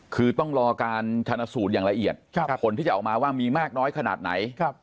คือต้องรอการชนะสูตรอย่างละเอียดผลที่จะออกมาว่ามีมากน้อยขนาดไหน